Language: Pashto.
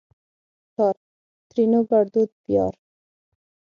پلار؛ ترينو ګړدود پيار